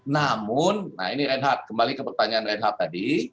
namun nah ini reinhardt kembali ke pertanyaan reinhard tadi